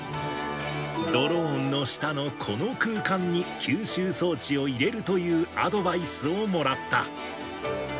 ドローンの下のこの空間に吸収装置を入れるというアドバイスをもらった。